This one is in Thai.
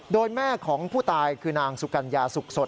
โดยแม่ของผู้ตายคือนางสุกัญญาสุขสด